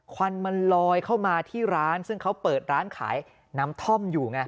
ควันมันลอยเข้ามาที่ร้านซึ่งเขาเปิดร้านขายน้ำท่อมอยู่ไง